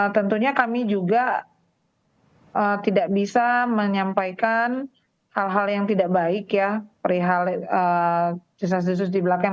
tentunya kami juga tidak bisa menyampaikan hal hal yang tidak baik ya perihal sisa sisus di belakang